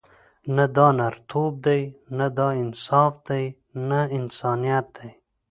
نه دا نرتوب دی، نه دا انصاف دی، نه انسانیت دی.